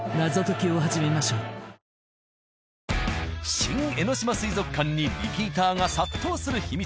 新江ノ島水族館にリピーターが殺到する秘密